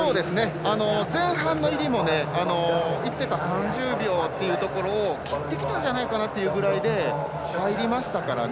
前半の入りも言ってた３０秒というところを切ってきたんじゃないかなというところで入りましたからね。